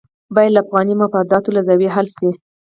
باید له افغاني مفاداتو له زاویې حل شي.